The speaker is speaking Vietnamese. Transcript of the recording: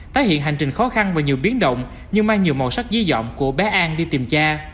tái hiện hành trình khó khăn và nhiều biến động nhưng mang nhiều màu sắc dí dọn của bé an đi tìm cha